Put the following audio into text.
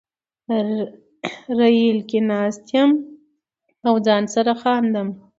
ریل کې ناست یم او ځان سره خاندم